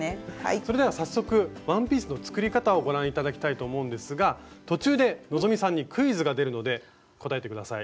それでは早速ワンピースの作り方をご覧頂きたいと思うんですが途中で希さんにクイズが出るので答えて下さい。